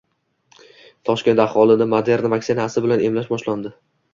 Toshkentda aholini Moderna vaksinasi bilan emlash boshlandi